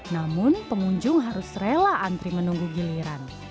namun pengunjung harus rela antri menunggu giliran